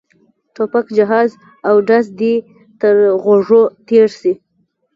ټوپک جهاز او ډز دې تر غوږو تېر شي.